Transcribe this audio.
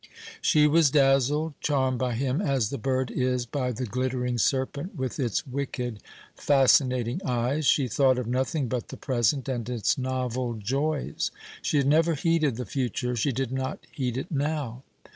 She was dazzled, charmed by him as the bird is by the glittering serpent with its wicked, fascinating eyes. She thought of nothing but the present and its novel joys. She had never heeded the future she did not heed it now.